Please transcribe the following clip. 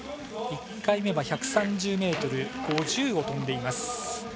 １回目は１３０ｍ５０を飛んでいます。